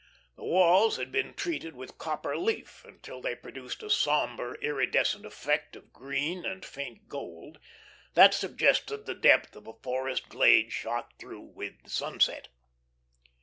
The walls had been treated with copper leaf till they produced a sombre, iridescent effect of green and faint gold, that suggested the depth of a forest glade shot through with the sunset.